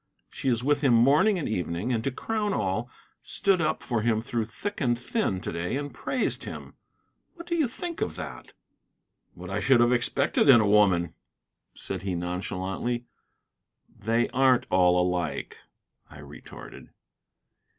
She is with him morning and evening, and, to crown all, stood up for him through thick and thin to day, and praised him. What do you think of that?" "What I should have expected in a woman," said he, nonchalantly. "They aren't all alike," I retorted.